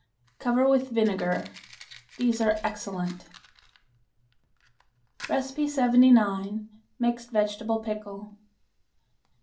Cover with vinegar. These are excellent. 79. Mixed Vegetable Pickle.